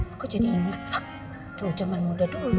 aku jadi inget waktu jaman muda dulu